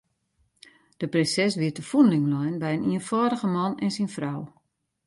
De prinses wie te fûnling lein by in ienfâldige man en syn frou.